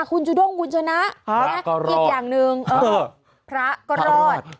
คุณจุด้งคุณชนะอีกอย่างหนึ่งพระก็รอด